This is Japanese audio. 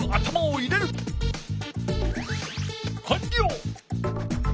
かんりょう！